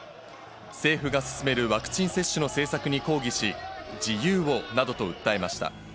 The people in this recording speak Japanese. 政府が進めるワクチン接種の政策に抗議し、「自由を！」などと訴えました。